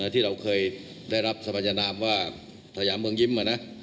ที่เราเคยได้รับสมัยนามว่าสยามเมืองยิ้ม